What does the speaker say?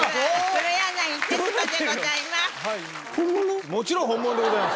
黒柳徹子でございます。